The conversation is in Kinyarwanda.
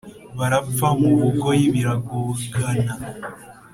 Barapfa mu Bugoyi biragogana